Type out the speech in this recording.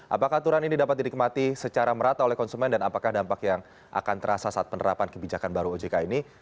apakah aturan ini dapat didikmati secara merata oleh konsumen dan apakah dampak yang akan terasa saat penerapan kebijakan baru ojk ini